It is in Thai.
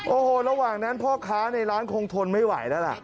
โอ้โหระหว่างนั้นพ่อค้าในร้านคงทนไม่ไหวแล้วล่ะ